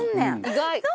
意外。